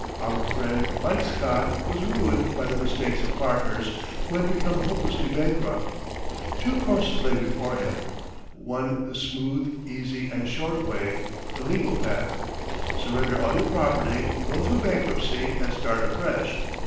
Our friend, like Scott, was ruined by the mistakes of partners, who had become hopelessly bankrupt. Two courses lay before him. One the smooth, easy, and short way the legal path. Surrender all your property, go through bankruptcy, and start afresh.